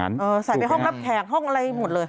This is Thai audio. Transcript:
ใส่ไปห้องรับแขกห้องอะไรหมดเลย